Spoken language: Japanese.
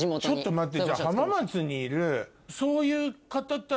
ちょっと待ってえ！え！